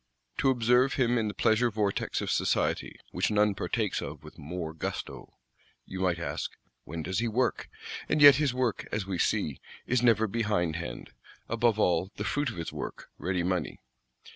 To observe him in the pleasure vortex of society, which none partakes of with more gusto, you might ask, When does he work? And yet his work, as we see, is never behindhand; above all, the fruit of his work: ready money.